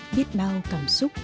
biết bao cảm xúc